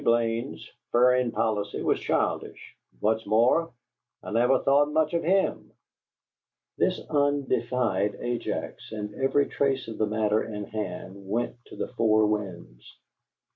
Blaine's furrin policy was childish, and, what's more, I never thought much of HIM!" This outdefied Ajax, and every trace of the matter in hand went to the four winds.